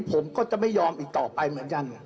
ผมก็จะไม่ยอมอีกต่อไปเหมือนกัน